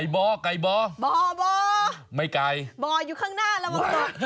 บอไม่ไกลบอยูใต้ข้างหน้าระวังต่อ